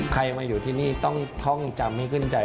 ใครมาอยู่ที่นี่ต้องท่องจำให้ขึ้นใจ